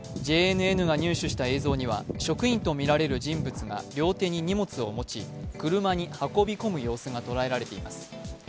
ＪＮＮが入手した映像には、職員とみられる人物が両手に荷物を持ち、車に運び込む様子が捉えられています。